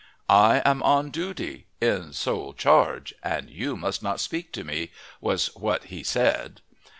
I am on duty in sole charge and you must not speak to me, was what he said.